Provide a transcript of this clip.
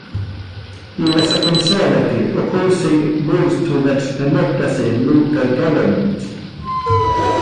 He was a conservative, opposing moves towards democracy, and local government.